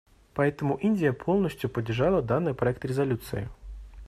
Поэтому Индия полностью поддержала данный проект резолюции.